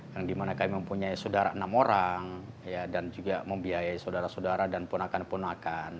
yang dimana kami mempunyai enam orang dan juga membiayai saudara saudara dan punakan punakan